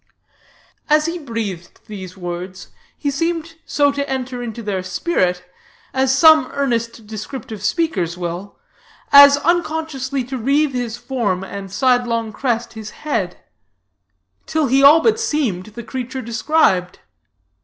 As he breathed these words, he seemed so to enter into their spirit as some earnest descriptive speakers will as unconsciously to wreathe his form and sidelong crest his head, till he all but seemed the creature described.